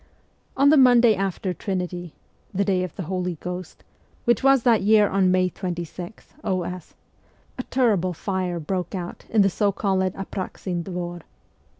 On the Monday after Trinity the day of the Holy Ghost, which was that year on May 26, o.s. a terrible fire broke out in the so called Apraxin Dvor.